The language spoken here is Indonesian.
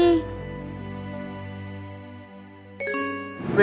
wih apaan tuh bin